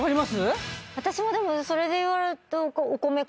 私もでもそれで言われるとお米かな。